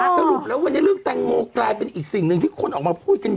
สรุปแล้ววันนี้เรื่องแตงโมกลายเป็นอีกสิ่งหนึ่งที่คนออกมาพูดกัน